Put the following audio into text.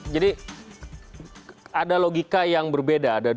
jadi ada logika yang berbeda